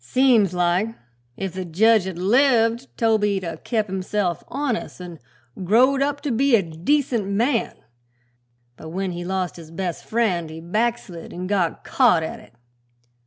Seems like if the jedge had lived Toby'd 'a' kep' himself honest, an' growed up to be a decent man; but when he lost his best friend he backslid an' got caught at it."